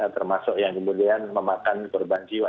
termasuk yang kemudian memakan korban jiwa